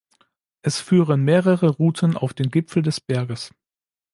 Es führen mehrere Routen auf den Gipfel des Berges.